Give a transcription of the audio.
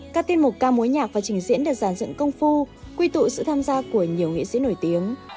các tiên mục ca mối nhạc và trình diễn được giàn dựng công phu quy tụ sự tham gia của nhiều nghệ sĩ nổi tiếng